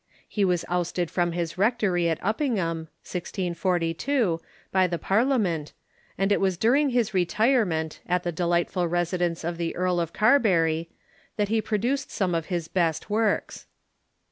He was ousted from his rectory at L^ppingham (1642) 364 THE MODERN CUUECH by the Parliament, and it was during his retirement, at the delightful residence of the Earl of Carbery, that he produced some of his best works.